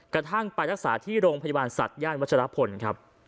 กระทั่งไปรักษาที่โรงพยาบาลสัตว์ย่านวัชรพลครับ